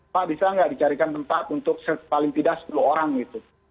pak bisa nggak dicarikan tempat untuk paling tidak sepuluh orang gitu